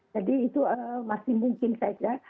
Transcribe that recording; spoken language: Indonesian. jadi itu masih mungkin saja